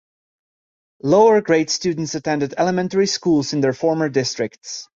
Lower-grade students attended elementary schools in their former districts.